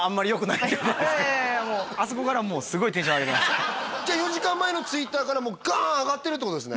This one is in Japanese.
いやいやいやいやもうじゃあ４時間前のＴｗｉｔｔｅｒからもうガーン上がってるってことですね